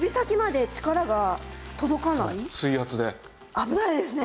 危ないですね。